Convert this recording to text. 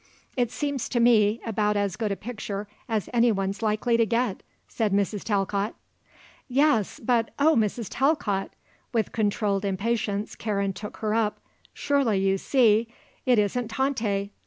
"It seems to me about as good a picture as anyone's likely to get," said Mrs. Talcott. "Yes, but, oh Mrs. Talcott" with controlled impatience Karen took her up "surely you see, it isn't Tante.